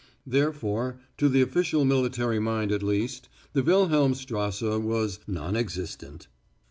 Therefore, to the official military mind at least, the Wilhelmstrasse was non existent.